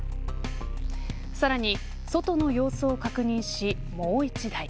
さらに、外の様子を確認しもう１台。